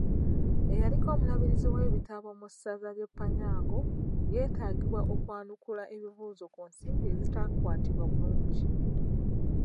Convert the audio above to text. Eyaliko omubalirizi w'ebitabo mu ssaza ly'e Panyango yeetaagibwa okwanukula ebibuuzo ku nsimbi ezitaakwatibwa bulungi.